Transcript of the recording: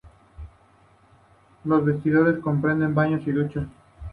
Los vestidores comprenden baños y duchas.